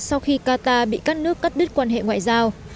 sau khi qatar bị các nước cắt đứt quan hệ ngoại giao